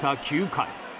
９回。